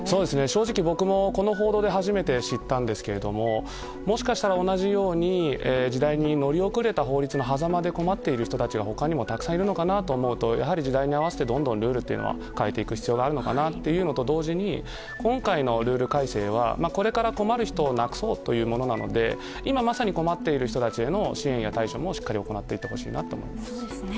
正直、僕もこの報道で初めて知ったんですけどももしかしたら同じように時代に乗り遅れた法律のはざまに困っている人たちが他にもたくさんいるのかなと思うとやはり時代に合わせてどんどんルールは変えていく必要があるのかなというのと同時に、今回のルール改正はこれから困る人をなくそうというものなので今まさに困っている人への支援や対処をしっかり行ってほしいと思います。